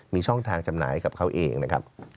มีช่องทางจำหน่ายกับเขาเองนะครับ